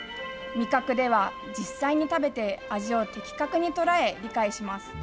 味覚では実際に食べて味を的確に捉え、理解します。